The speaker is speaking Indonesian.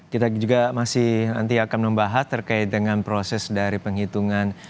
kita juga masih nanti akan membahas terkait dengan proses dari penghitungan